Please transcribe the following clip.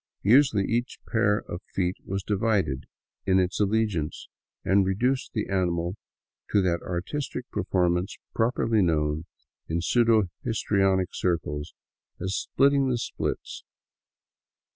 Usually each pair of feet was divided in its allegiance, and reduced the animal to that artistic performance popularly known in pseudo histrionic circles as " splitting the splits.'